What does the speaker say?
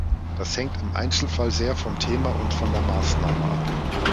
Das hängt im Einzelfall sehr vom Thema und von der Maßnahme ab.